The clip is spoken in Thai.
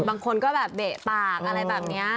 บางคนก็แบบเบะปากอะไรแบบนี้